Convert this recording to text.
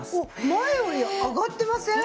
前より上がってません？